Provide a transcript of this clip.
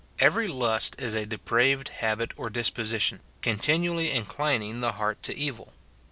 Every lust is a depraved habit or disposition, continually inclining the heart to evil.